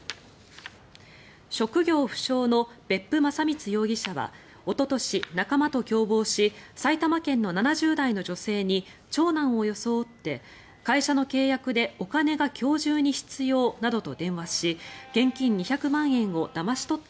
職業不詳の別府将光容疑者はおととし、仲間と共謀し埼玉県の７０代女性に長男を装って会社の契約でお金が今日中に必要などと電話し現金２００万円をだまし取った